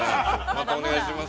◆また、お願いします。